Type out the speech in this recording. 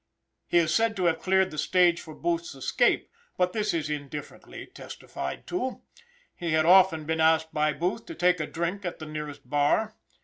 He is said to have cleared the stage for Booth's escape, but this is indifferently testified to. He had often been asked by Booth to take a drink at the nearest bar.